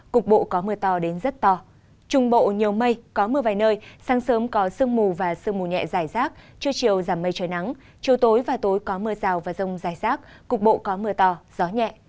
bắc bộ có mưa ngày có mưa rào và dài rác có rông cục bộ có mưa toàn